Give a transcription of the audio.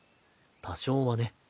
多少はね。